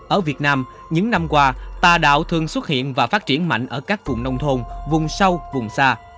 ở việt nam những năm qua tà đạo thường xuất hiện và phát triển mạnh ở các vùng nông thôn vùng sâu vùng xa